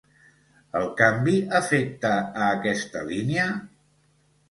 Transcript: El canvi afecta a aquesta línia?